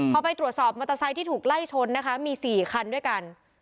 พอไปตรวจสอบมอเตอร์ไซค์ที่ถูกไล่ชนนะคะมี๔คันด้วยกัน